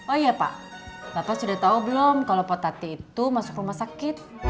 oh iya pak bapak sudah tahu belum kalau potati itu masuk rumah sakit